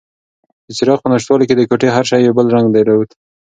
د څراغ په نشتوالي کې د کوټې هر شی یو بل رنګ درلود.